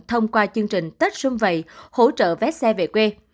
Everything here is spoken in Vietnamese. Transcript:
thông qua chương trình tết xuân vậy hỗ trợ vét xe về quê